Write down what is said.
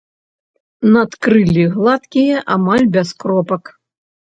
Надкрыллі гладкія, амаль без кропак.